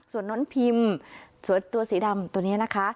ส่วนน้องพิมตัวสีดำตัวนี้นะคะ